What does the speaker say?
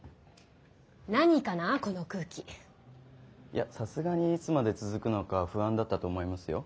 いやさすがにいつまで続くのか不安だったと思いますよ。